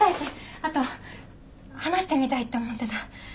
あと話してみたいって思ってた。